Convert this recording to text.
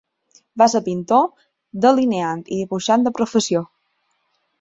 Va ser pintor, delineant i dibuixant de professió.